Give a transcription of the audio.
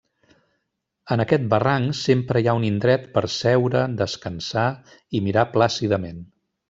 En aquest barranc sempre hi ha un indret per a seure, descansar i mirar plàcidament.